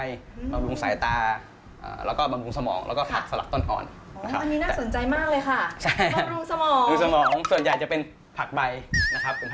อาจจะต้องบำรุงสมองหรือว่าบำรุงสายตาหรือว่าจะเป็นเพื่อสุขภาพดี